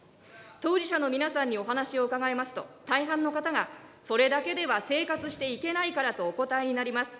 当事者の皆さんにお話を伺いますと、大半の方が、それだけでは生活していけないからとお答えになります。